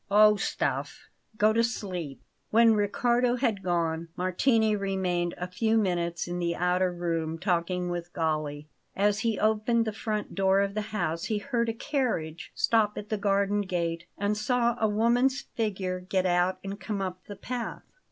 "Oh, stuff! Go to sleep." When Riccardo had gone, Martini remained a few minutes in the outer room, talking with Galli. As he opened the front door of the house he heard a carriage stop at the garden gate and saw a woman's figure get out and come up the path.